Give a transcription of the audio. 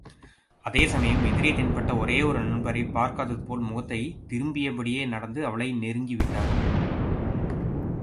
அதேசமயம் எதிரே தென்பட்ட ஒரே ஒரு நண்பரைப் பார்க்காததுபோல் முகத்தைத் திரும்பியபடியே நடந்து அவளை நெருங்கி விட்டார்.